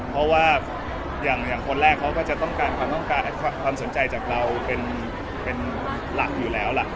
เพราะว่าอย่างคนแรกเขาก็จะต้องการความต้องการความสนใจจากเราเป็นหลักอยู่แล้วล่ะ